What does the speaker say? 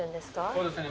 そうですね。